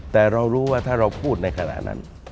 แต่เรารู้ว่าถ้าเราพูดในขณะนั้น